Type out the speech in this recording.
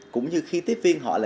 cũng như khi tiếp viên họ là